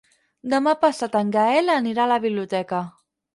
Demà passat en Gaël anirà a la biblioteca.